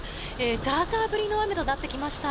ザーザー降りの雨となってきました。